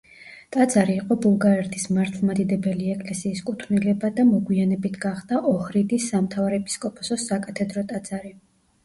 ტაძარი იყო ბულგარეთის მართლმადიდებელი ეკლესიის კუთვნილება და მოგვიანებით გახდა ოჰრიდის სამთავარეპისკოპოსოს საკათედრო ტაძარი.